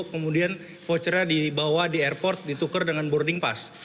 kemudian vouchernya dibawa di airport ditukar dengan boarding pass